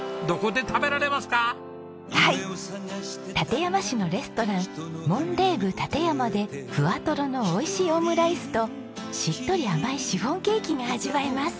館山市のレストランモン・レーヴ・館山でふわとろのおいしいオムライスとしっとり甘いシフォンケーキが味わえます。